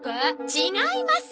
違います！